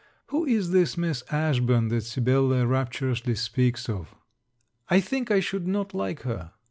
Who is this Miss Ashburn that Sibella rapturously speaks of? I think I should not like her.